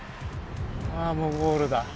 あもうゴールだ。